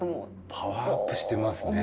パワーアップしてますね。